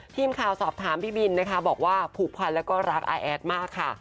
ทีมข่าวสอบถามพี่บินนะคะบอกว่าผูกพันแล้วก็รักอาแอดมากค่ะ